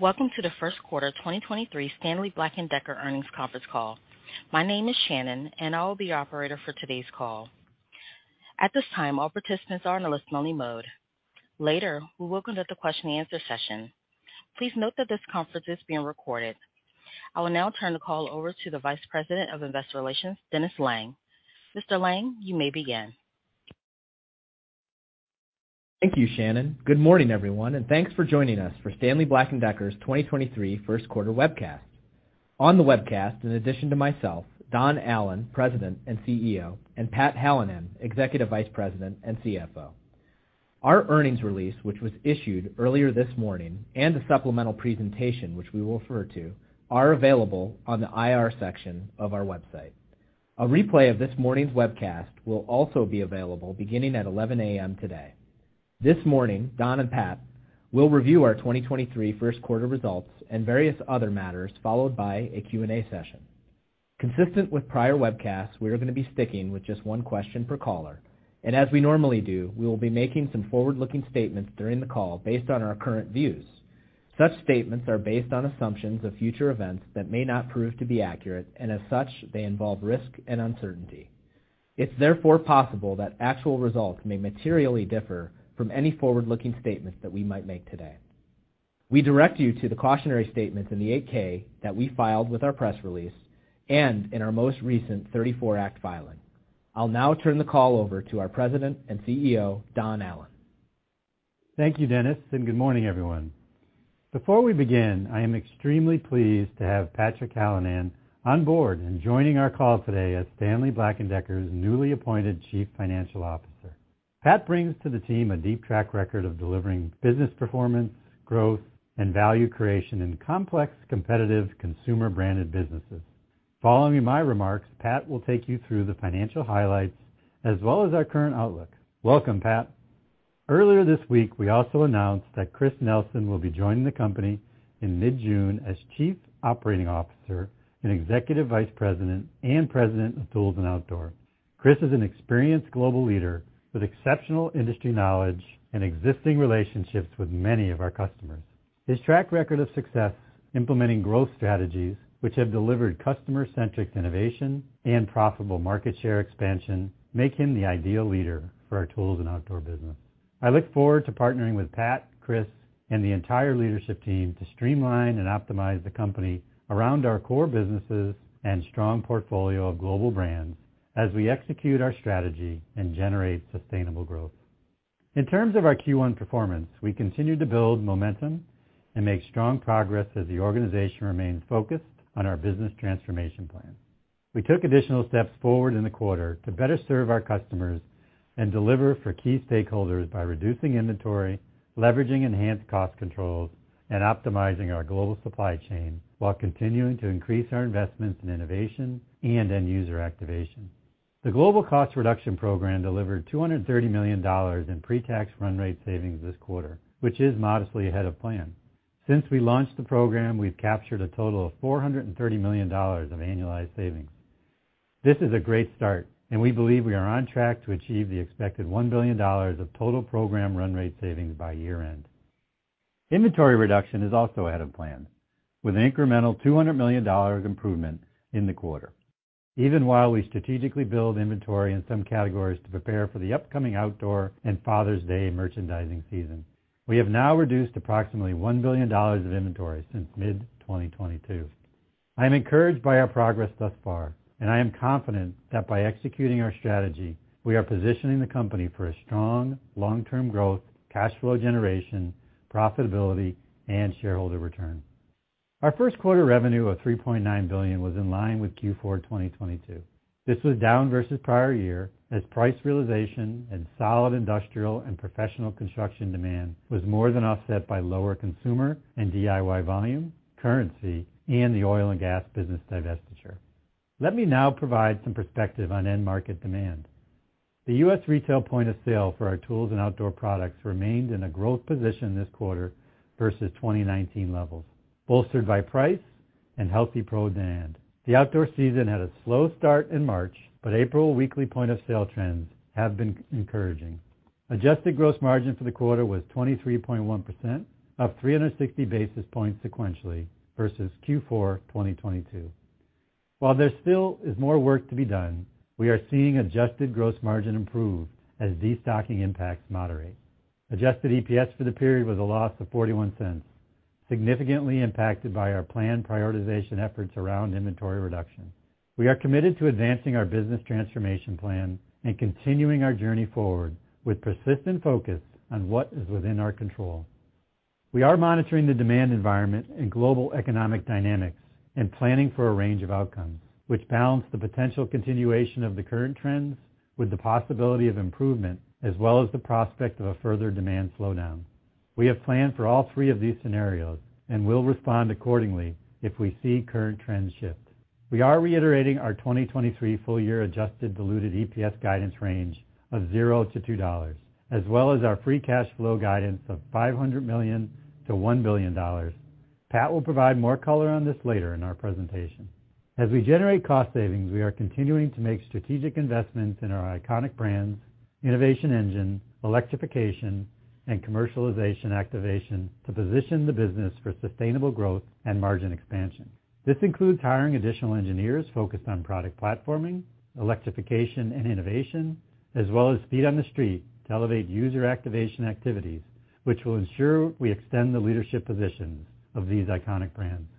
Welcome to the first quarter 2023 Stanley Black & Decker earnings conference call. My name is Shannon, and I will be your operator for today's call. At this time, all participants are in a listen-only mode. Later, we will conduct a question-and-answer session. Please note that this conference is being recorded. I will now turn the call over to the Vice President of Investor Relations, Dennis Lange. Mr. Lange, you may begin. Thank you, Shannon. Good morning, everyone. Thanks for joining us for Stanley Black & Decker's 2023 first quarter webcast. On the webcast, in addition to myself, Don Allan, President and CEO, and Pat Hallinan, Executive Vice President and CFO. Our earnings release, which was issued earlier this morning. A supplemental presentation, which we will refer to, are available on the IR section of our website. A replay of this morning's webcast will also be available beginning at 11:00 A.M. today. This morning, Don and Pat will review our 2023 first quarter results and various other matters, followed by a Q&A session. Consistent with prior webcasts, we are gonna be sticking with just one question per caller. As we normally do, we will be making some forward-looking statements during the call based on our current views. Such statements are based on assumptions of future events that may not prove to be accurate, and as such, they involve risk and uncertainty. It's therefore possible that actual results may materially differ from any forward-looking statements that we might make today. We direct you to the cautionary statements in the 8-K that we filed with our press release and in our most recent 34 Act filing. I'll now turn the call over to our President and CEO, Don Allan. Thank you, Dennis, and good morning, everyone. Before we begin, I am extremely pleased to have Patrick Hallinan on board, and joining our call today as Stanley Black & Decker's newly appointed Chief Financial Officer. Pat brings to the team a deep track record of delivering business performance, growth, and value creation in complex, competitive consumer-branded businesses. Following my remarks, Pat will take you through the financial highlights as well as our current outlook. Welcome, Pat. Earlier this week, we also announced that Chris Nelson will be joining the company in mid-June as Chief Operating Officer, and Executive Vice President and President of Tools and Outdoor. Chris is an experienced global leader with exceptional industry knowledge and existing relationships with many of our customers. His track record of success implementing growth strategies which have delivered customer-centric innovation and profitable market share expansion make him the ideal leader for our Tools & Outdoor business. I look forward to partnering with Pat, Chris, and the entire leadership team to streamline and optimize the company around our core businesses and strong portfolio of global brands as we execute our strategy, and generate sustainable growth. In terms of our Q1 performance, we continued to build momentum, and make strong progress as the organization remains focused on our business transformation plan. We took additional steps forward in the quarter to better serve our customers and deliver for key stakeholders by reducing inventory, leveraging enhanced cost controls, and optimizing our global supply chain while continuing to increase our investments in innovation and end user activation. The global cost reduction program delivered $230 million in pre-tax run rate savings this quarter, which is modestly ahead of plan. Since we launched the program, we've captured a total of $430 million of annualized savings. This is a great start, and we believe we are on track to achieve the expected $1 billion of total program run rate savings by year-end. Inventory reduction is also ahead of plan, with an incremental $200 million improvement in the quarter, even while we strategically build inventory in some categories to prepare for the upcoming outdoor and Father's Day merchandising season. We have now reduced approximately $1 billion of inventory since mid-2022. I am encouraged by our progress thus far, and I am confident that by executing our strategy, we are positioning the company for a strong long-term growth, cash flow generation, profitability, and shareholder return. Our first quarter revenue of $3.9 billion was in line with Q4 2022. This was down versus prior year as price realization and solid industrial, and professional construction demand was more than offset by lower consumer, and DIY volume, currency, and the oil and gas business divestiture. Let me now provide some perspective on end market demand. The U.S. retail point-of-sale for our Tools & Outdoor products remained in a growth position this quarter versus 2019 levels, bolstered by price and healthy pro demand. April weekly point-of-sale trends have been encouraging. Adjusted gross margin for the quarter was 23.1%, up 360 basis points sequentially versus Q4 2022. While there still is more work to be done, we are seeing adjusted gross margin improve as destocking impacts moderate. Adjusted EPS for the period was a loss of $0.41, significantly impacted by our planned prioritization efforts around inventory reduction. We are committed to advancing our business transformation plan, and continuing our journey forward with persistent focus on what is within our control. We are monitoring the demand environment, and global economic dynamics and planning for a range of outcomes, which balance the potential continuation of the current trends with the possibility of improvement as well as the prospect of a further demand slowdown. We have planned for all three of these scenarios and will respond accordingly if we see current trends shift. We are reiterating our 2023 full year adjusted diluted EPS guidance range of $0-$2, as well as our free cash flow guidance of $500 million-$1 billion. Pat will provide more color on this later in our presentation. We generate cost savings, we are continuing to make strategic investments in our iconic brands, innovation engine, electrification, and commercialization activation to position the business for sustainable growth and margin expansion. This includes hiring additional engineers focused on product platforming, electrification, and innovation, as well as feet on the street to elevate user activation activities, which will ensure we extend the leadership positions of these iconic brands.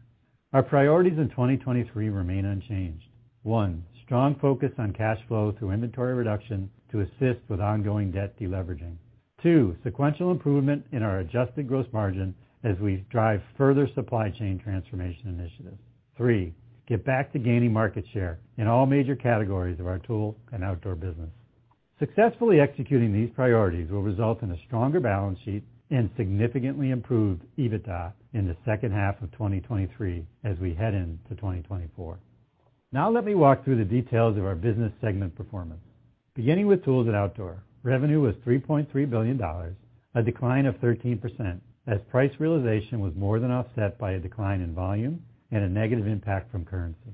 Our priorities in 2023 remain unchanged. One, Strong focus on cash flow through inventory reduction to assist with ongoing debt deleveraging. Two, Sequential improvement in our adjusted gross margin as we drive further supply chain transformation initiatives. Three, get back to gaining market share in all major categories of our Tools & Outdoor business. Successfully executing these priorities will result in a stronger balance sheet and significantly improved EBITDA in the second half of 2023 as we head into 2024. Let me walk through the details of our business segment performance. Beginning with Tools & Outdoor. Revenue was $3.3 billion, a decline of 13% as price realization was more than offset by a decline in volume and a negative impact from currency.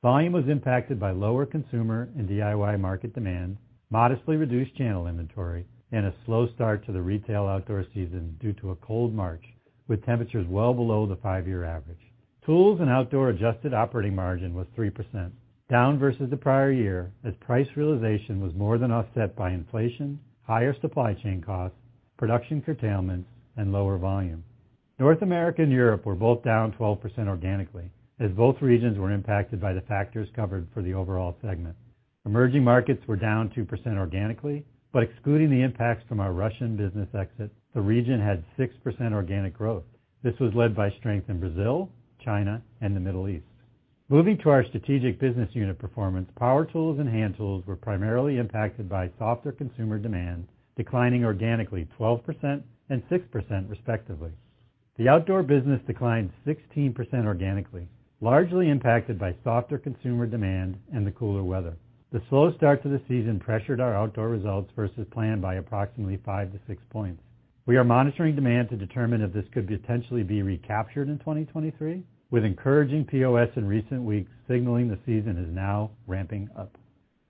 Volume was impacted by lower consumer and DIY market demand, modestly reduced channel inventory, and a slow start to the retail outdoor season due to a cold March with temperatures well below the five-year average. Tools & Outdoor adjusted operating margin was 3%, down versus the prior year as price realization was more than offset by inflation, higher supply chain costs, production curtailment, and lower volume. North America and Europe were both down 12% organically as both regions were impacted by the factors covered for the overall segment. Emerging markets were down 2% organically, but excluding the impacts from our Russian business exit, the region had 6% organic growth. This was led by strength in Brazil, China, and the Middle East. Moving to our strategic business unit performance, power tools and hand tools were primarily impacted by softer consumer demand, declining organically 12% and 6% respectively. The outdoor business declined 16% organically, largely impacted by softer consumer demand and the cooler weather. The slow start to the season pressured our outdoor results versus plan by approximately 5-6 points. We are monitoring demand to determine if this could potentially be recaptured in 2023, with encouraging POS in recent weeks signaling the season is now ramping up.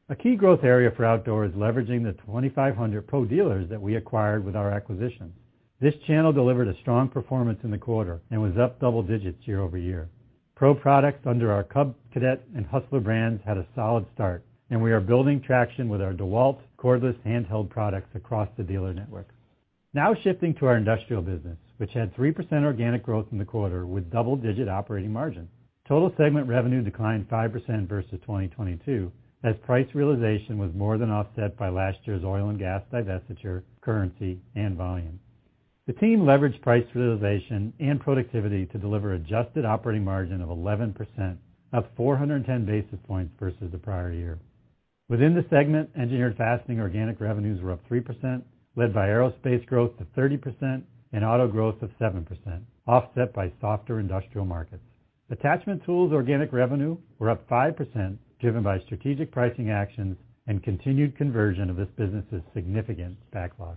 A key growth area for outdoor is leveraging the 2,500 pro dealers that we acquired with our acquisition. This channel delivered a strong performance in the quarter and was up double digits year-over-year. Pro products under our Cub Cadet and Hustler brands had a solid start, and we are building traction with our DEWALT cordless handheld products across the dealer network. Shifting to our industrial business, which had 3% organic growth in the quarter with double-digit operating margin. Total segment revenue declined 5% versus 2022 as price realization was more than offset by last year's oil and gas divestiture, currency, and volume. The team leveraged price realization and productivity to deliver adjusted operating margin of 11%, up 410 basis points versus the prior year. Within the segment, Engineered Fastening organic revenues were up 3%, led by aerospace growth to 30% and auto growth of 7%, offset by softer industrial markets. Attachment Tools organic revenue were up 5%, driven by strategic pricing actions, and continued conversion of this business' significant backlogs.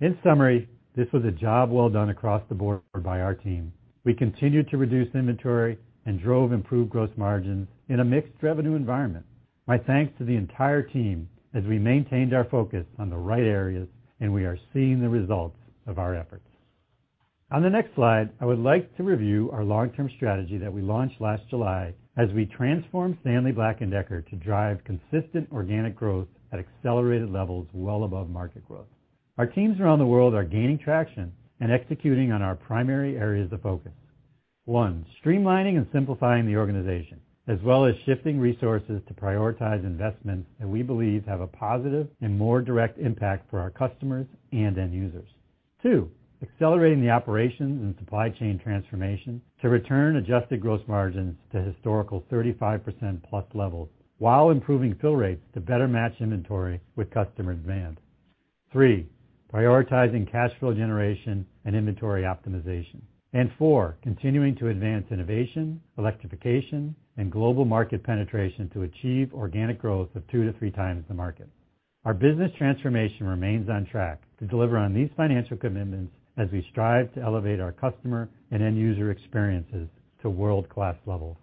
In summary, this was a job well done across the board by our team. We continued to reduce inventory, and drove improved gross margins in a mixed revenue environment. My thanks to the entire team as we maintained our focus on the right areas, and we are seeing the results of our efforts. On the next slide, I would like to review our long-term strategy that we launched last July as we transform Stanley Black & Decker to drive consistent organic growth at accelerated levels well above market growth. Our teams around the world are gaining traction, and executing on our primary areas of focus. One, streamlining and simplifying the organization as well as shifting resources to prioritize investments that we believe have a positive and more direct impact for our customers and end users. Two, accelerating the operations and supply chain transformation to return adjusted gross margins to historical 35% plus levels while improving fill rates to better match inventory with customer demand. Three, prioritizing cash flow generation and inventory optimization. Four, continuing to advance innovation, electrification, and global market penetration to achieve organic growth of two to three times the market. Our business transformation remains on track to deliver on these financial commitments as we strive to elevate our customer and end user experiences to world-class levels.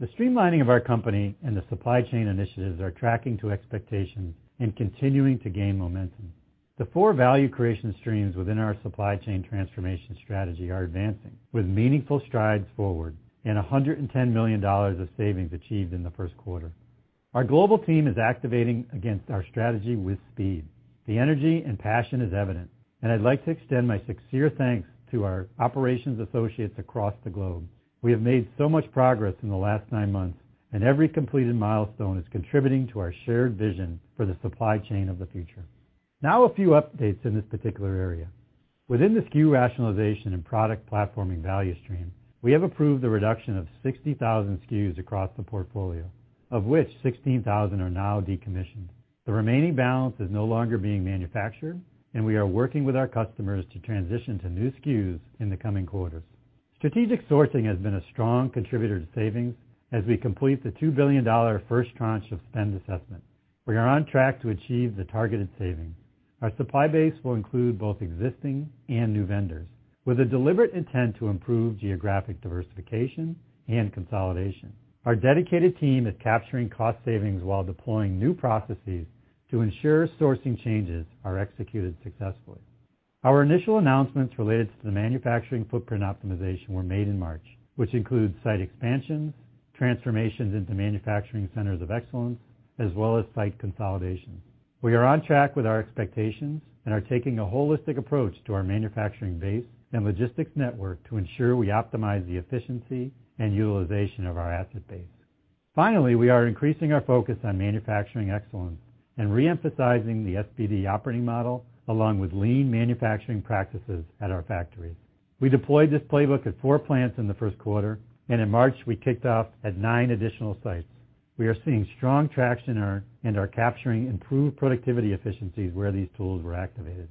The streamlining of our company and the supply chain initiatives are tracking to expectations and continuing to gain momentum. The four value creation streams within our supply chain transformation strategy are advancing with meaningful strides forward and $110 million of savings achieved in the first quarter. Our global team is activating against our strategy with speed. The energy and passion is evident. I'd like to extend my sincere thanks to our operations associates across the globe. We have made so much progress in the last nine months, and every completed milestone is contributing to our shared vision for the supply chain of the future. Now a few updates in this particular area. Within the SKU rationalization and product platforming value stream, we have approved the reduction of 60,000 SKUs across the portfolio, of which 16,000 are now decommissioned. The remaining balance is no longer being manufactured, and we are working with our customers to transition to new SKUs in the coming quarters. Strategic sourcing has been a strong contributor to savings as we complete the $2 billion first tranche of spend assessment. We are on track to achieve the targeted savings. Our supply base will include both existing and new vendors, with a deliberate intent to improve geographic diversification and consolidation. Our dedicated team is capturing cost savings while deploying new processes to ensure sourcing changes are executed successfully. Our initial announcements related to the manufacturing footprint optimization were made in March, which includes site expansions, transformations into manufacturing centers of excellence, as well as site consolidation. We are on track with our expectations and are taking a holistic approach to our manufacturing base, and logistics network to ensure we optimize the efficiency and utilization of our asset base. Finally, we are increasing our focus on manufacturing excellence and re-emphasizing the SBD Operating Model along with lean manufacturing practices at our factories. We deployed this playbook at four plants in the first quarter, and in March, we kicked off at nine additional sites. We are seeing strong traction and are capturing improved productivity efficiencies where these tools were activated.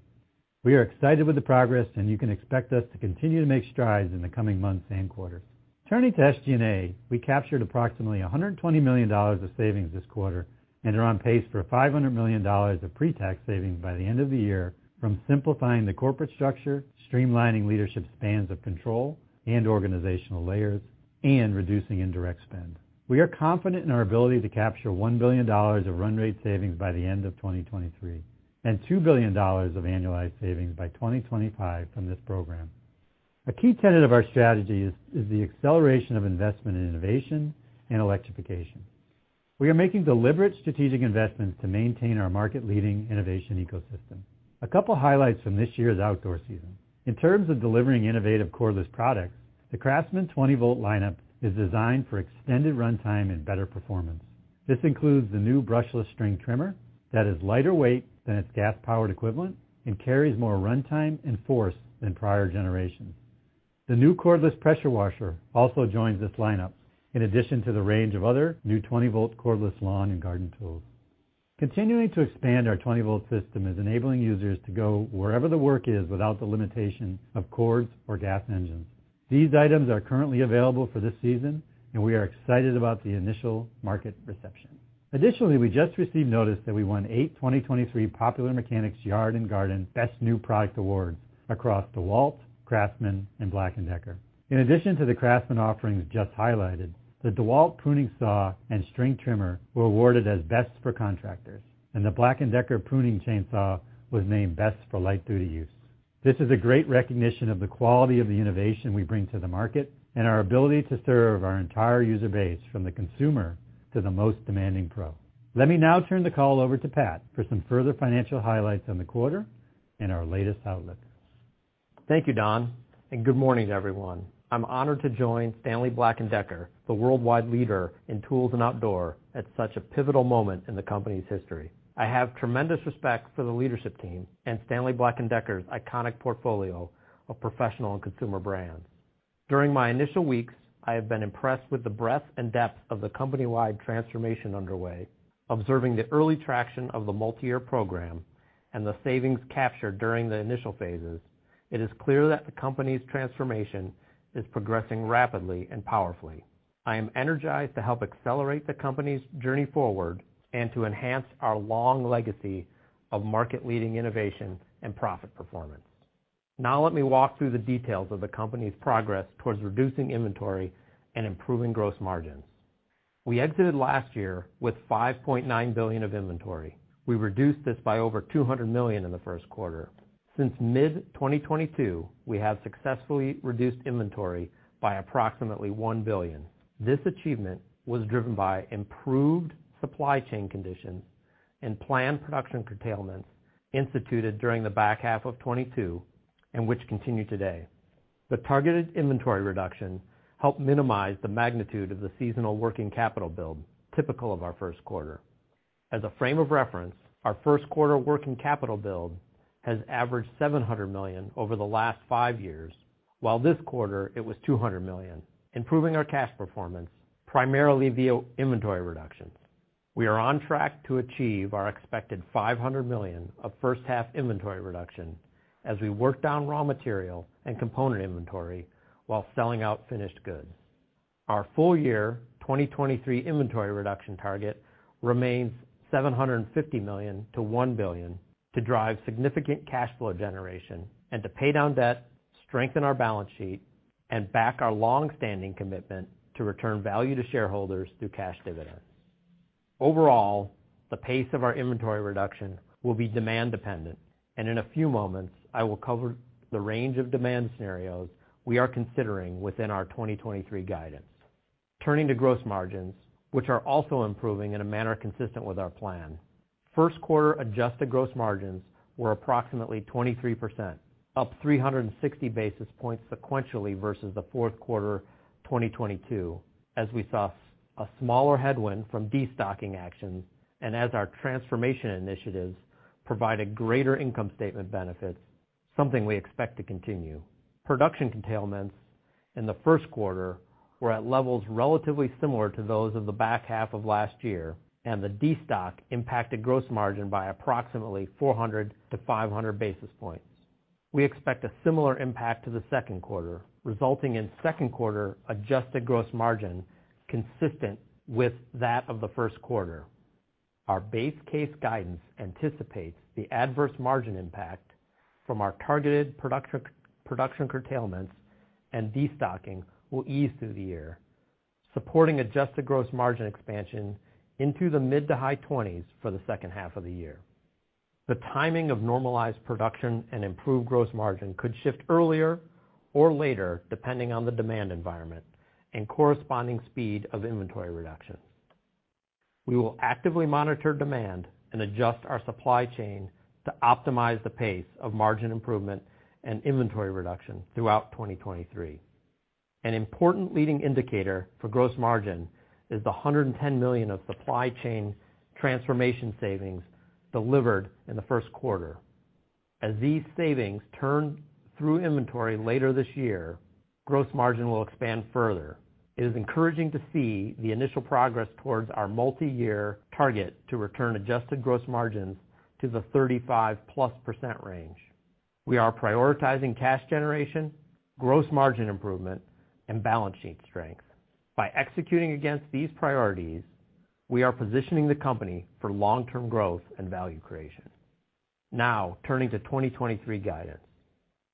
We are excited with the progress. You can expect us to continue to make strides in the coming months and quarters. Turning to SG&A, we captured approximately $120 million of savings this quarter and are on pace for $500 million of pre-tax savings by the end of the year from simplifying the corporate structure, streamlining leadership spans of control and organizational layers, and reducing indirect spend. We are confident in our ability to capture $1 billion of run rate savings by the end of 2023 and $2 billion of annualized savings by 2025 from this program. A key tenet of our strategy is the acceleration of investment in innovation, and electrification. We are making deliberate strategic investments to maintain our market-leading innovation ecosystem. A couple highlights from this year's outdoor season. In terms of delivering innovative cordless products, the CRAFTSMAN 20 volt lineup is designed for extended runtime and better performance. This includes the new brushless string trimmer that is lighter weight than its gas-powered equivalent, and carries more runtime and force than prior generations. The new cordless pressure washer also joins this lineup, in addition to the range of other new 20 volt cordless lawn and garden tools. Continuing to expand our 20 volt system is enabling users to go wherever the work is without the limitation of cords or gas engines. These items are currently available for this season, and we are excited about the initial market reception. We just received notice that we won 8 2023 Popular Mechanics Yard and Garden Best New Product Awards across DEWALT, CRAFTSMAN, and BLACK+DECKER. In addition to the CRAFTSMAN offerings just highlighted, the DEWALT pruning saw and string trimmer were awarded as best for contractors, and the BLACK+DECKER pruning chainsaw was named best for light-duty use. This is a great recognition of the quality of the innovation we bring to the market and our ability to serve our entire user base from the consumer to the most demanding pro. Let me now turn the call over to Pat for some further financial highlights on the quarter, and our latest outlook. Thank you, Don. Good morning, everyone. I'm honored to join Stanley Black & Decker, the worldwide leader in Tools & Outdoor, at such a pivotal moment in the company's history. I have tremendous respect for the leadership team, and Stanley Black & Decker's iconic portfolio of professional, and consumer brands. During my initial weeks, I have been impressed with the breadth and depth of the company-wide transformation underway. Observing the early traction of the multi-year program and the savings captured during the initial phases, it is clear that the company's transformation is progressing rapidly and powerfully. I am energized to help accelerate the company's journey forward, and to enhance our long legacy of market-leading innovation and profit performance. Let me walk through the details of the company's progress towards reducing inventory and improving gross margins. We exited last year with $5.9 billion of inventory. We reduced this by over $200 million in the first quarter. Since mid-2022, we have successfully reduced inventory by approximately $1 billion. This achievement was driven by improved supply chain conditions and planned production curtailments instituted during the back half of 2022 and which continue today. The targeted inventory reduction helped minimize the magnitude of the seasonal working capital build typical of our first quarter. As a frame of reference, our first quarter working capital build has averaged $700 million over the last five years, while this quarter it was $200 million, improving our cash performance primarily via inventory reductions. We are on track to achieve our expected $500 million of first-half inventory reduction as we work down raw material and component inventory while selling out finished goods. Our full year 2023 inventory reduction target remains $750 million-$1 billion to drive significant cash flow generation and to pay down debt, strengthen our balance sheet, and back our long-standing commitment to return value to shareholders through cash dividends. Overall, the pace of our inventory reduction will be demand-dependent. In a few moments, I will cover the range of demand scenarios we are considering within our 2023 guidance. Turning to gross margins, which are also improving in a manner consistent with our plan. First quarter adjusted gross margins were approximately 23%, up 360 basis points sequentially versus the fourth quarter 2022, as we saw a smaller headwind from destocking actions. As our transformation initiatives provided greater income statement benefits, something we expect to continue. Production curtailments in the first quarter were at levels relatively similar to those of the back half of last year, and the destock impacted gross margin by approximately 400 to 500 basis points. We expect a similar impact to the second quarter, resulting in second quarter adjusted gross margin consistent with that of the first quarter. Our base case guidance anticipates the adverse margin impact from our targeted production curtailments and destocking will ease through the year, supporting adjusted gross margin expansion into the mid to high twenties for the second half of the year. The timing of normalized production and improved gross margin could shift earlier or later, depending on the demand environment and corresponding speed of inventory reduction. We will actively monitor demand and adjust our supply chain to optimize the pace of margin improvement and inventory reduction throughout 2023. An important leading indicator for gross margin is the $110 million of supply chain transformation savings delivered in the first quarter. As these savings turn through inventory later this year, gross margin will expand further. It is encouraging to see the initial progress towards our multi-year target to return adjusted gross margins to the 35%+ range. We are prioritizing cash generation, gross margin improvement and balance sheet strength. By executing against these priorities, we are positioning the company for long-term growth and value creation. Turning to 2023 guidance.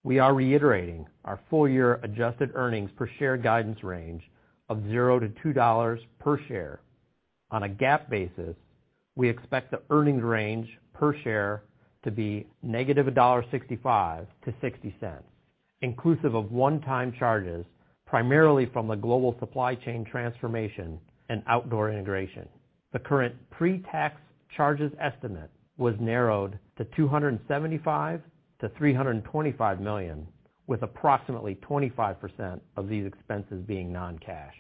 We are reiterating our full year adjusted earnings per share guidance range of $0-$2 per share. On a GAAP basis, we expect the earnings range per share to be -$0.65-$0.60, inclusive of one-time charges, primarily from the global supply chain transformation and outdoor integration. The current pre-tax charges estimate was narrowed to $275 million-$325 million, with approximately 25% of these expenses being non-cash.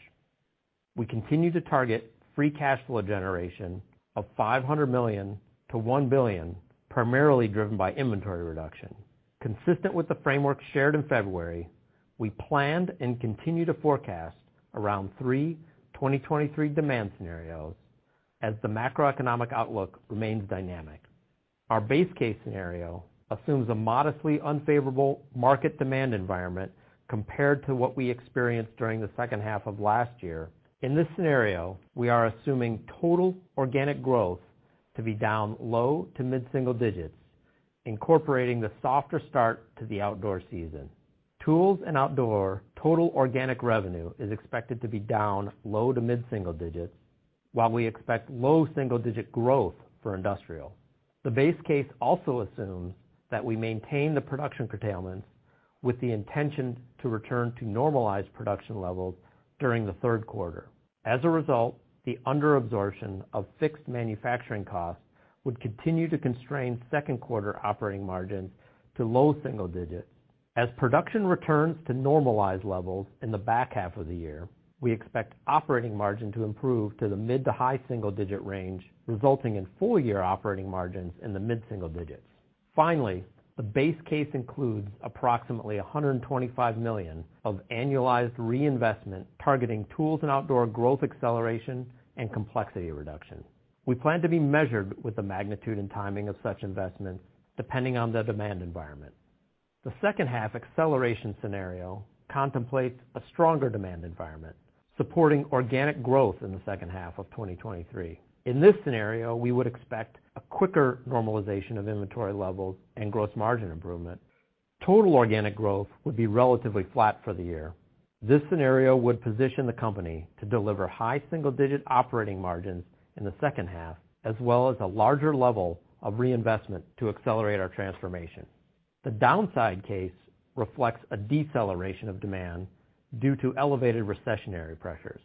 We continue to target free cash flow generation of $500 million-$1 billion, primarily driven by inventory reduction. Consistent with the framework shared in February, we planned and continue to forecast around 3 2023 demand scenarios as the macroeconomic outlook remains dynamic. Our base case scenario assumes a modestly unfavorable market demand environment compared to what we experienced during the second half of last year. In this scenario, we are assuming total organic growth to be down low to mid-single digits, incorporating the softer start to the outdoor season. Tools & Outdoor total organic revenue is expected to be down low to mid-single digits, while we expect low single-digit growth for Industrial. The base case also assumes that we maintain the production curtailments with the intention to return to normalized production levels during the third quarter. As a result, the under absorption of fixed manufacturing costs would continue to constrain second quarter operating margins to low single digits. As production returns to normalized levels in the back half of the year, we expect operating margin to improve to the mid to high single-digit range, resulting in full year operating margins in the mid-single digits. Finally, the base case includes approximately $125 million of annualized reinvestment targeting Tools & Outdoor growth acceleration and complexity reduction. We plan to be measured with the magnitude and timing of such investments depending on the demand environment. The second half acceleration scenario contemplates a stronger demand environment, supporting organic growth in the second half of 2023. In this scenario, we would expect a quicker normalization of inventory levels and gross margin improvement. Total organic growth would be relatively flat for the year. This scenario would position the company to deliver high single-digit operating margins in the second half, as well as a larger level of reinvestment to accelerate our transformation. The downside case reflects a deceleration of demand due to elevated recessionary pressures.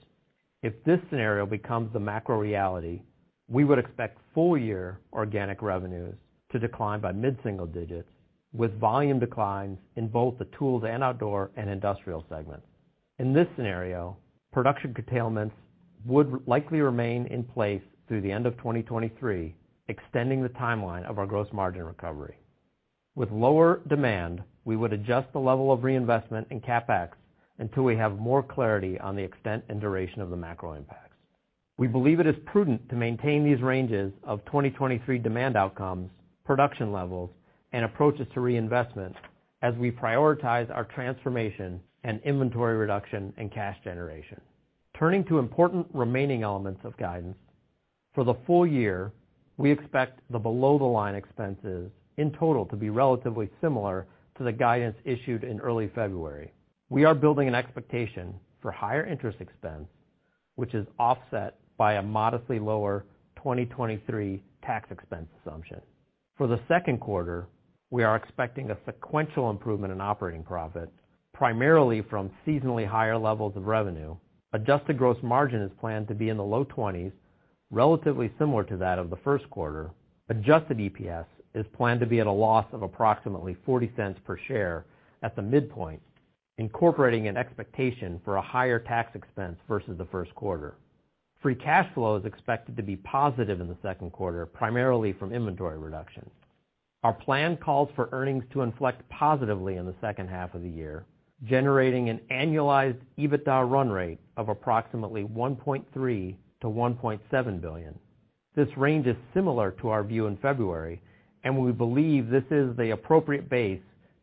If this scenario becomes the macro reality, we would expect full year organic revenues to decline by mid-single digits, with volume declines in both the Tools & Outdoor and Industrial segments. In this scenario, production curtailments would likely remain in place through the end of 2023, extending the timeline of our gross margin recovery. With lower demand, we would adjust the level of reinvestment in CapEx until we have more clarity on the extent and duration of the macro impacts. We believe it is prudent to maintain these ranges of 2023 demand outcomes, production levels and approaches to reinvestment as we prioritize our transformation and inventory reduction and cash generation. Turning to important remaining elements of guidance. For the full year, we expect the below-the-line expenses in total to be relatively similar to the guidance issued in early February. We are building an expectation for higher interest expense, which is offset by a modestly lower 2023 tax expense assumption. For the second quarter, we are expecting a sequential improvement in operating profit, primarily from seasonally higher levels of revenue. Adjusted gross margin is planned to be in the low twenties, relatively similar to that of the first quarter. Adjusted EPS is planned to be at a loss of approximately $0.40 per share at the midpoint, incorporating an expectation for a higher tax expense versus the first quarter. Free cash flow is expected to be positive in the second quarter, primarily from inventory reductions. Our plan calls for earnings to inflect positively in the second half of the year, generating an annualized EBITDA run rate of approximately $1.3 billion-$1.7 billion. This range is similar to our view in February, and we believe this is the appropriate base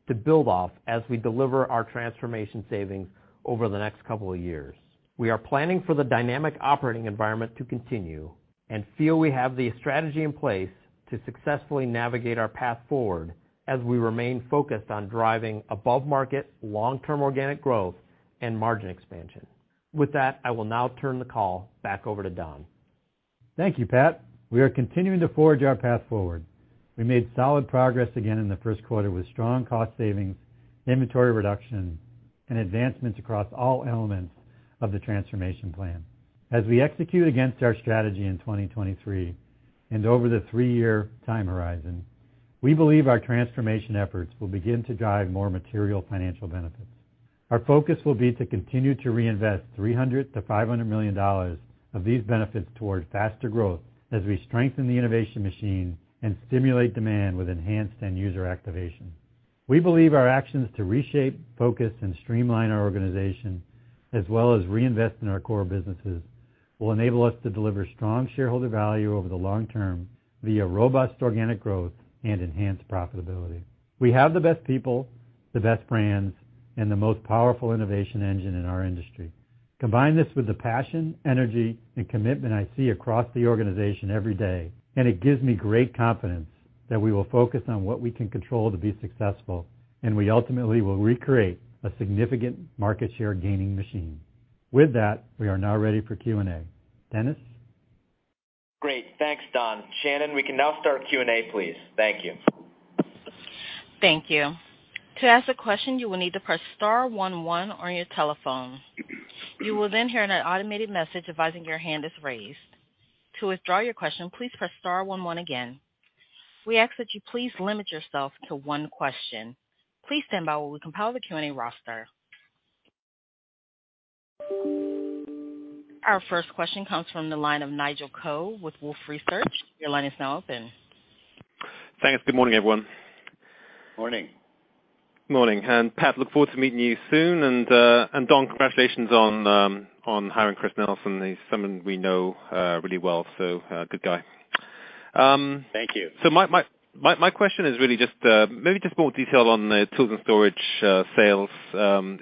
to build off as we deliver our transformation savings over the next couple of years. We are planning for the dynamic operating environment to continue and feel we have the strategy in place to successfully navigate our path forward as we remain focused on driving above-market long-term organic growth and margin expansion. With that, I will now turn the call back over to Don. Thank you, Pat. We are continuing to forge our path forward. We made solid progress again in the first quarter with strong cost savings, inventory reduction, and advancements across all elements of the transformation plan. As we execute against our strategy in 2023 and over the three-year time horizon, we believe our transformation efforts will begin to drive more material financial benefits. Our focus will be to continue to reinvest $300 million-$500 million of these benefits towards faster growth as we strengthen the innovation machine and stimulate demand with enhanced end user activation. We believe our actions to reshape, focus, and streamline our organization, as well as reinvest in our core businesses, will enable us to deliver strong shareholder value over the long term via robust organic growth and enhanced profitability. We have the best people, the best brands, and the most powerful innovation engine in our industry. Combine this with the passion, energy, and commitment I see across the organization every day, and it gives me great confidence that we will focus on what we can control to be successful, and we ultimately will recreate a significant market share gaining machine. With that, we are now ready for Q&A. Dennis? Great. Thanks, Don. Shannon, we can now start Q&A, please. Thank you. Thank you. To ask a question, you will need to press star one one on your telephone. You will then hear an automated message advising your hand is raised. To withdraw your question, please press star one one again. We ask that you please limit yourself to one question. Please stand by while we compile the Q&A roster. Our first question comes from the line of Nigel Coe with Wolfe Research. Your line is now open. Thanks. Good morning, everyone. Morning. Morning. Pat, look forward to meeting you soon. Don, congratulations on hiring Chris Nelson. He's someone we know really well, so good guy. Thank you. My question is really just maybe just more detail on the tools and storage sales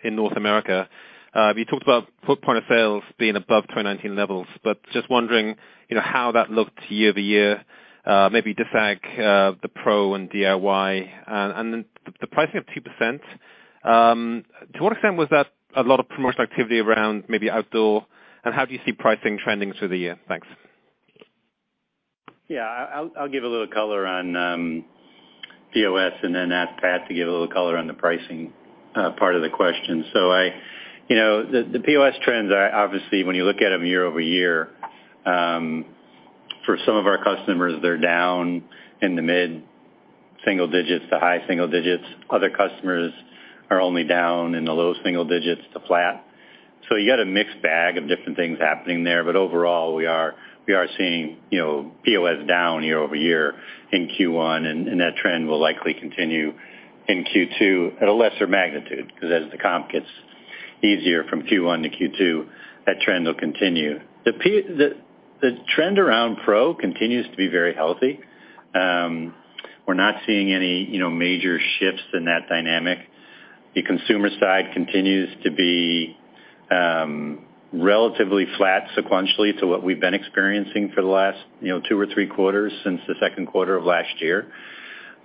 in North America. You talked about foot point of sales being above 2019 levels, but just wondering, you know, how that looked year-over-year, maybe disagg the pro and DIY. Then the pricing of 2% to what extent was that a lot of promotional activity around maybe outdoor, and how do you see pricing trending through the year? Thanks. Yeah. I'll give a little color on POS and then ask Pat to give a little color on the pricing part of the question. You know, the POS trends are obviously, when you look at them year-over-year, for some of our customers, they're down in the mid-single digits to high single digits. Other customers are only down in the low single digits to flat. You got a mixed bag of different things happening there. Overall, we are seeing, you know, POS down year-over-year in Q1, and that trend will likely continue in Q2 at a lesser magnitude. 'Cause as the comp gets easier from Q1 to Q2, that trend will continue. The trend around pro continues to be very healthy. We're not seeing any, you know, major shifts in that dynamic. The consumer side continues to be relatively flat sequentially to what we've been experiencing for the last, you know, 2 or 3 quarters since the second quarter of last year.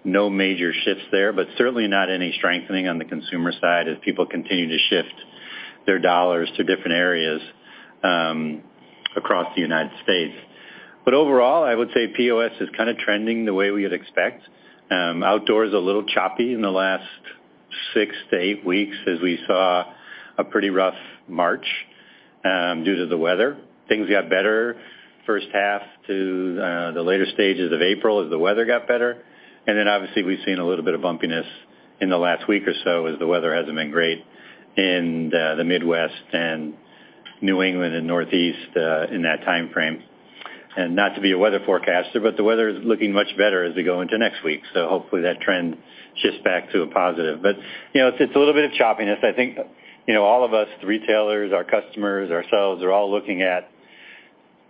No major shifts there, but certainly not any strengthening on the consumer side as people continue to shift their dollars to different areas across the United States. Overall, I would say POS is kinda trending the way we would expect. Outdoor is a little choppy in the last 6-8 weeks as we saw a pretty rough March due to the weather. Things got better first half to the later stages of April as the weather got better. Obviously, we've seen a little bit of bumpiness in the last week or so as the weather hasn't been great in the Midwest and New England and Northeast in that timeframe. Not to be a weather forecaster, but the weather is looking much better as we go into next week. Hopefully, that trend shifts back to a positive. You know, it's a little bit of choppiness. I think, you know, all of us, the retailers, our customers, ourselves, are all looking at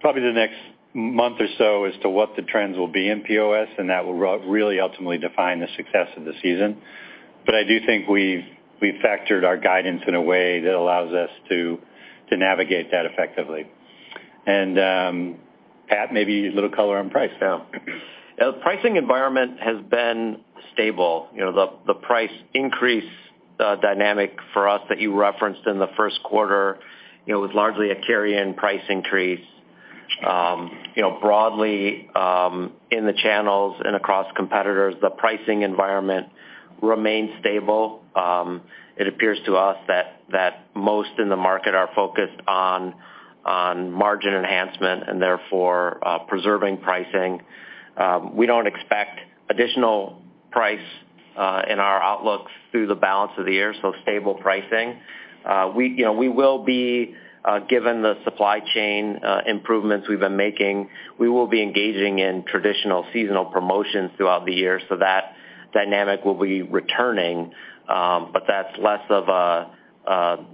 probably the next month or so as to what the trends will be in POS, and that will really ultimately define the success of the season. I do think we've factored our guidance in a way that allows us to navigate that effectively. Pat, maybe a little color on price. Yeah. The pricing environment has been stable. You know, the price increase dynamic for us that you referenced in the first quarter, you know, was largely a carry-in price increase. You know, broadly, in the channels and across competitors, the pricing environment remains stable. It appears to us that most in the market are focused on margin enhancement and therefore, preserving pricing. We don't expect additional price in our outlooks through the balance of the year, so stable pricing. We, you know, we will be, given the supply chain improvements we've been making, we will be engaging in traditional seasonal promotions throughout the year. That Dynamic will be returning, but that's less of a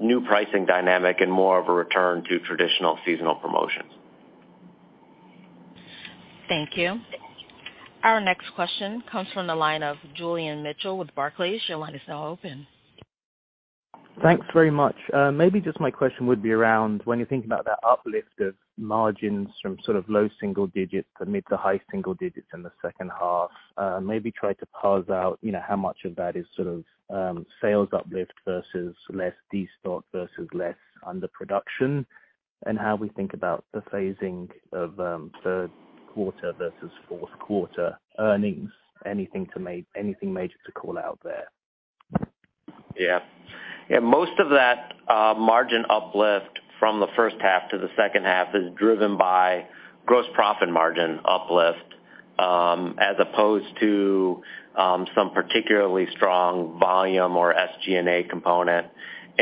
new pricing dynamic and more of a return to traditional seasonal promotions. Thank you. Our next question comes from the line of Julian Mitchell with Barclays. Your line is now open. Thanks very much. Maybe just my question would be around when you're thinking about that uplift of margins from sort of low single digits to mid to high single digits in the second half, maybe try to parse out, you know, how much of that is sort of sales uplift versus less destock versus less underproduction, and how we think about the phasing of third quarter versus fourth quarter earnings. Anything major to call out there? Yeah. Yeah, most of that margin uplift from the first half to the second half is driven by gross profit margin uplift, as opposed to some particularly strong volume or SG&A component.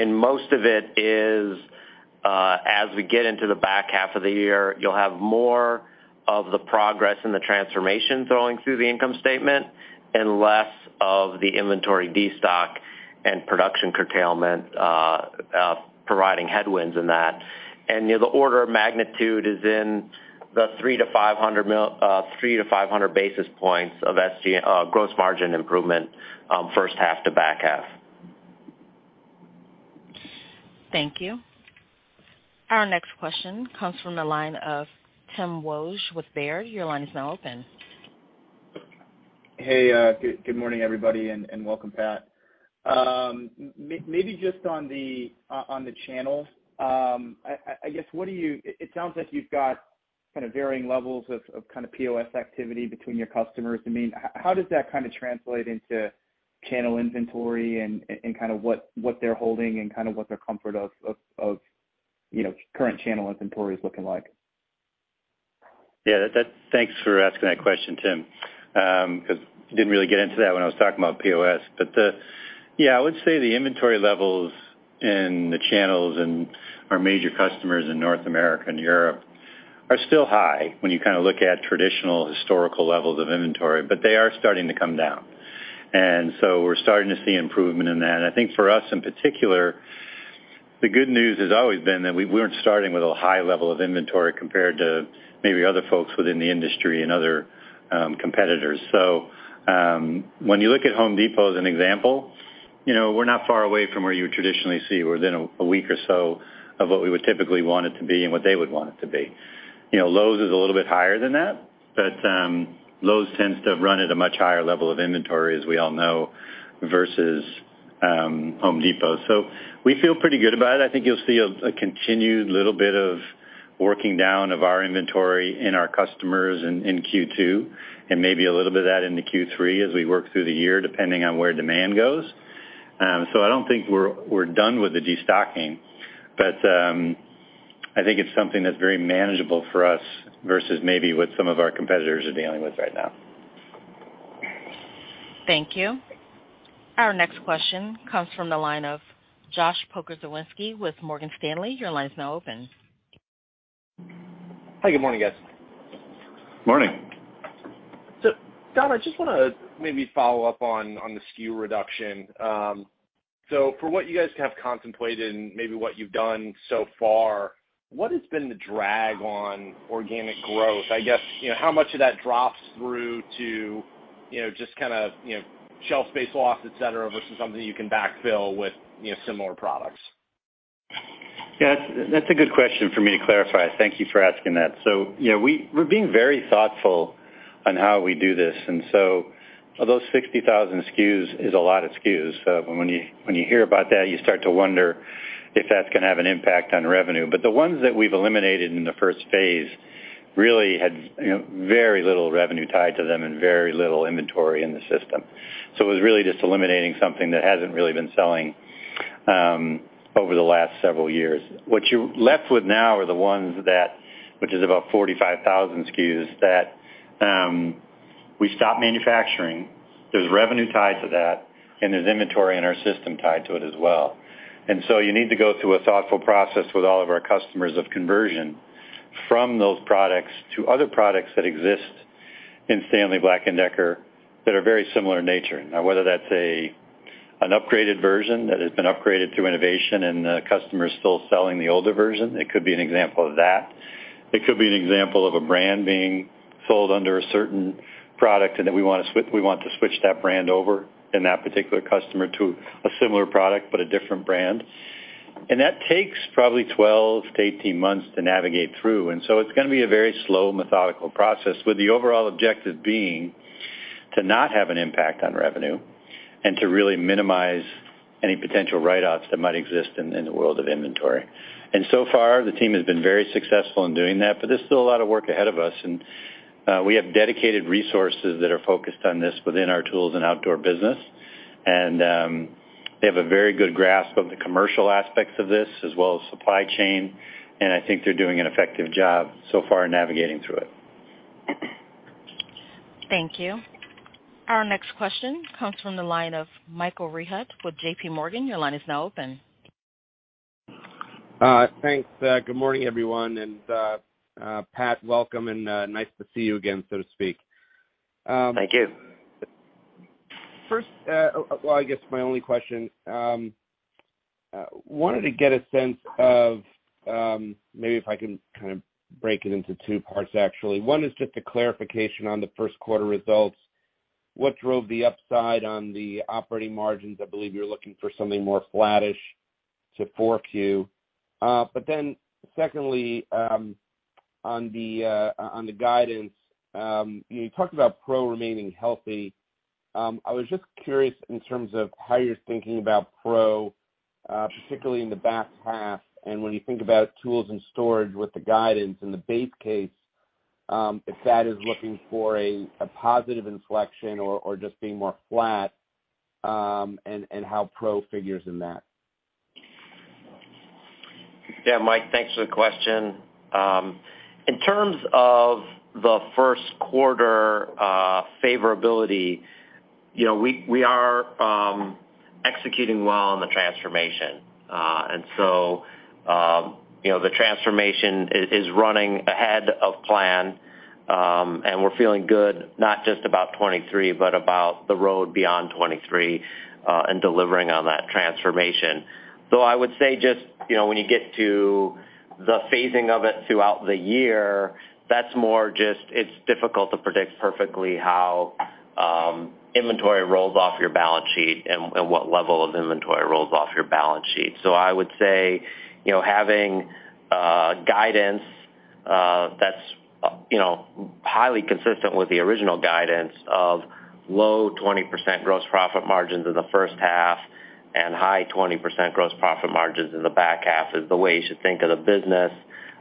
Most of it is, as we get into the back half of the year, you'll have more of the progress in the transformation throwing through the income statement and less of the inventory destock and production curtailment providing headwinds in that. You know, the order of magnitude is in the 300-500 basis points of gross margin improvement, first half to back half. Thank you. Our next question comes from the line of Timothy Wojs with Baird. Your line is now open. Hey, good morning, everybody, and welcome, Pat. Maybe just on the channels. It sounds like you've got kind of varying levels of kinda POS activity between your customers. I mean, how does that kinda translate into channel inventory and kinda what they're holding and kinda what their comfort of, you know, current channel inventory is looking like? Yeah, that. Thanks for asking that question, Tim, 'cause didn't really get into that when I was talking about POS. Yeah, I would say the inventory levels in the channels and our major customers in North America and Europe are still high when you kinda look at traditional historical levels of inventory, but they are starting to come down. We're starting to see improvement in that. I think for us, in particular, the good news has always been that we weren't starting with a high level of inventory compared to maybe other folks within the industry and other competitors. When you look at The Home Depot as an example, you know, we're not far away from where you would traditionally see. We're within a week or so of what we would typically want it to be and what they would want it to be. You know Lowe's is a little bit higher than that, but Lowe's tends to run at a much higher level of inventory, as we all know, versus Home Depot. We feel pretty good about it. I think you'll see a continued little bit of working down of our inventory in our customers in Q2 and maybe a little bit of that into Q3 as we work through the year, depending on where demand goes. I don't think we're done with the destocking, but I think it's something that's very manageable for us versus maybe what some of our competitors are dealing with right now. Thank you. Our next question comes from the line of Joshua Pokrzywinski with Morgan Stanley. Your line is now open. Hi, good morning, guys. Morning. Don, I just wanna maybe follow up on the SKU reduction. For what you guys have contemplated and maybe what you've done so far, what has been the drag on organic growth? I guess, you know, how much of that drops through to, you know, just kinda, you know, shelf space loss, et cetera, versus something you can backfill with, you know, similar products? Yeah. That's a good question for me to clarify. Thank you for asking that. You know, we're being very thoughtful on how we do this. Although 60,000 SKUs is a lot of SKUs, when you hear about that, you start to wonder if that's gonna have an impact on revenue. The ones that we've eliminated in the first phase really had, you know, very little revenue tied to them and very little inventory in the system. It was really just eliminating something that hasn't really been selling over the last several years. What you're left with now are the ones that, which is about 45,000 SKUs, that we stopped manufacturing. There's revenue tied to that, and there's inventory in our system tied to it as well. You need to go through a thoughtful process with all of our customers of conversion from those products to other products that exist in Stanley Black & Decker that are very similar in nature. Now whether that's an upgraded version that has been upgraded through innovation and the customer is still selling the older version, it could be an example of that. It could be an example of a brand being sold under a certain product, and that we want to switch that brand over and that particular customer to a similar product but a different brand. That takes probably 12-18 months to navigate through. It's gonna be a very slow, methodical process, with the overall objective being to not have an impact on revenue and to really minimize any potential write-offs that might exist in the world of inventory. So far, the team has been very successful in doing that, but there's still a lot of work ahead of us. We have dedicated resources that are focused on this within our Tools & Outdoor business. They have a very good grasp of the commercial aspects of this as well as supply chain, and I think they're doing an effective job so far navigating through it. Thank you. Our next question comes from the line of Michael Rehaut with J.P. Morgan. Your line is now open. Thanks. Good morning, everyone. Pat, welcome, and, nice to see you again, so to speak. Thank you. First, well, I guess my only question. Wanted to get a sense of, maybe if I can kind of break it into two parts actually. One is just a clarification on the first quarter results. What drove the upside on the operating margins? I believe you're looking for something more flattish to 4Q. Secondly, on the guidance, you talked about pro remaining healthy. I was just curious in terms of how you're thinking about pro, particularly in the back half, and when you think about tools and storage with the guidance in the base case, if that is looking for a positive inflection or just being more flat, and how pro figures in that? Yeah, Mike, thanks for the question. In terms of the first quarter, favorability, you know, we are executing well on the transformation. So, you know, the transformation is running ahead of plan, and we're feeling good not just about 2023, but about the road beyond 2023, and delivering on that transformation. I would say just, you know, when you get to the phasing of it throughout the year, that's more just it's difficult to predict perfectly how inventory rolls off your balance sheet and what level of inventory rolls off your balance sheet. I would say, you know, having guidance that's, you know, highly consistent with the original guidance of low 20% gross profit margins in the first half and high 20% gross profit margins in the back half is the way you should think of the business.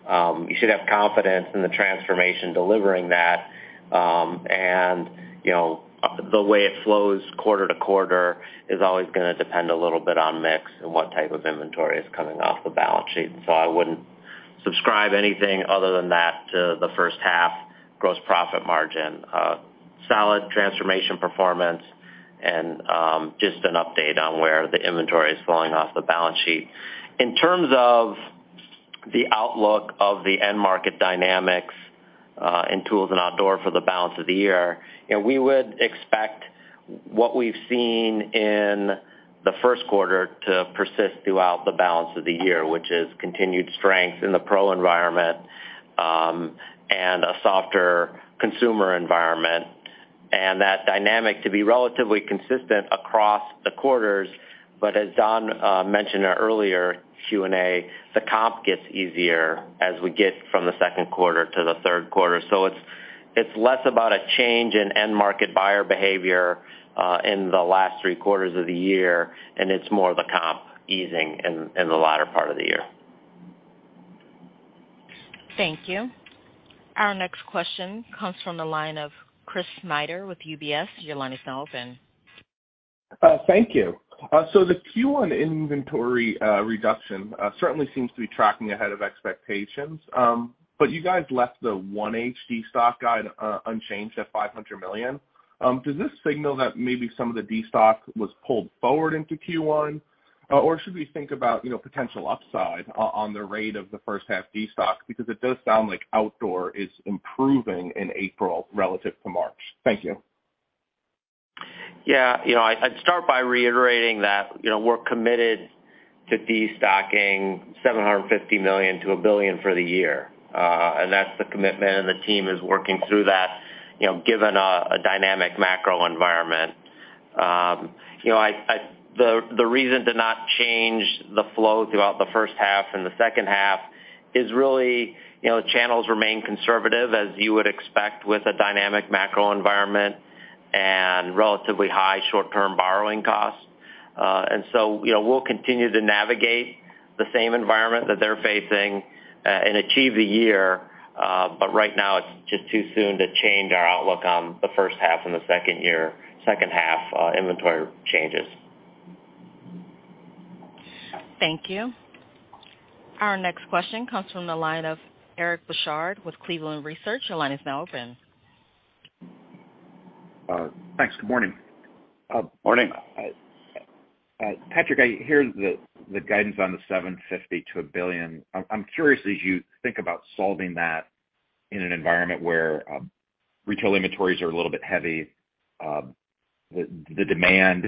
You should have confidence in the transformation delivering that. You know, the way it flows quarter to quarter is always gonna depend a little bit on mix and what type of inventory is coming off the balance sheet. I wouldn't subscribe anything other than that to the first half gross profit margin, solid transformation performance, and just an update on where the inventory is falling off the balance sheet. In terms of the outlook of the end market dynamics, in Tools & Outdoor for the balance of the year, you know, we would expect what we've seen in the first quarter to persist throughout the balance of the year, which is continued strength in the pro environment, and a softer consumer environment, and that dynamic to be relatively consistent across the quarters. As Don mentioned earlier, Q&A, the comp gets easier as we get from the second quarter to the third quarter. It's, it's less about a change in end market buyer behavior, in the last 3 quarters of the year, and it's more the comp easing in the latter part of the year. Thank you. Our next question comes from the line of Chris Snyder with UBS. Your line is now open. Thank you. The Q1 inventory reduction certainly seems to be tracking ahead of expectations. You guys left the free cash flow guide unchanged at $500 million. Does this signal that maybe some of the destock was pulled forward into Q1? Should we think about, you know, potential upside on the rate of the first half destock? Because it does sound like outdoor is improving in April relative to March. Thank you. Yeah. You know, I'd start by reiterating that, you know, we're committed to destocking $750 million to $1 billion for the year. That's the commitment, and the team is working through that, you know, given a dynamic macro environment. You know, the reason to not change the flow throughout the first half and the second half is really, you know, channels remain conservative, as you would expect with a dynamic macro environment and relatively high short-term borrowing costs. You know, we'll continue to navigate the same environment that they're facing and achieve the year. Right now it's just too soon to change our outlook on the first half and the second half inventory changes. Thank you. Our next question comes from the line of Eric Bosshard with Cleveland Research. Your line is now open. Thanks. Good morning. Morning. Patrick, I hear the guidance on the $750 million to $1 billion. I'm curious, as you think about solving that in an environment where retail inventories are a little bit heavy, the demand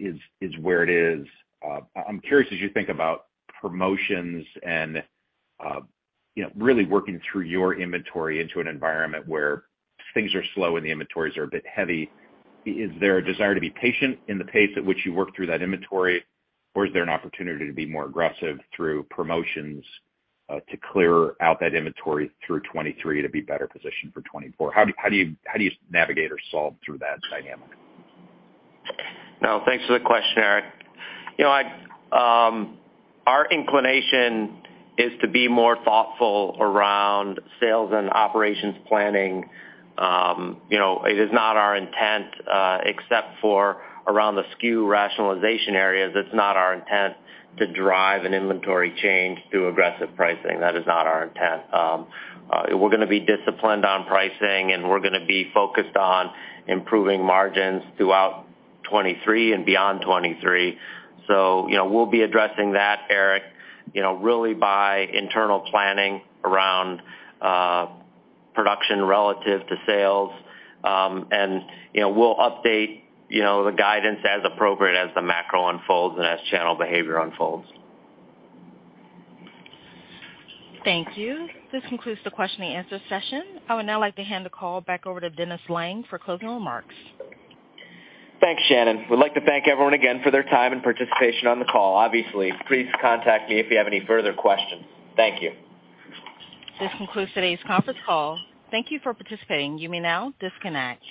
is where it is. I'm curious as you think about promotions and, you know, really working through your inventory into an environment where things are slow and the inventories are a bit heavy, is there a desire to be patient in the pace at which you work through that inventory, or is there an opportunity to be more aggressive through promotions to clear out that inventory through 2023 to be better positioned for 2024? How do you navigate or solve through that dynamic? Thanks for the question, Eric. Our inclination is to be more thoughtful around sales and operations planning. You know, it is not our intent, except for around the SKU rationalization areas, it's not our intent to drive an inventory change through aggressive pricing. That is not our intent. We're gonna be disciplined on pricing, and we're gonna be focused on improving margins throughout 23 and beyond 23. You know, we'll be addressing that, Eric, you know, really by internal planning around production relative to sales. You know, we'll update, you know, the guidance as appropriate as the macro unfolds and as channel behavior unfolds. Thank you. This concludes the question and answer session. I would now like to hand the call back over to Dennis Lange for closing remarks. Thanks, Shannon. We'd like to thank everyone again for their time and participation on the call. Obviously, please contact me if you have any further questions. Thank you. This concludes today's conference call. Thank you for participating. You may now disconnect.